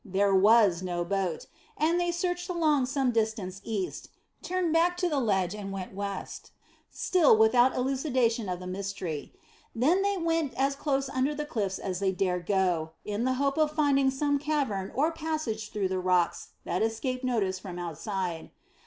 There was no boat, and they searched along some distance east, turned back to the ledge and went west, still without elucidation of the mystery; then they went as close under the cliffs as they dared go, in the hope of finding some cavern or passage through the rocks that escaped notice from outside.